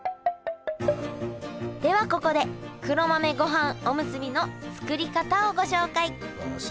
ではここで黒豆ごはんおむすびの作り方をご紹介。